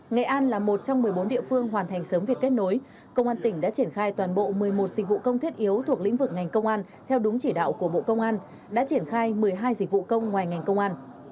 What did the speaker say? nghệ an là một trong một mươi bốn địa phương hoàn thành sớm việc kết nối công an tỉnh đã triển khai toàn bộ một mươi một dịch vụ công thiết yếu thuộc lĩnh vực ngành công an theo đúng chỉ đạo của bộ công an đã triển khai một mươi hai dịch vụ công ngoài ngành công an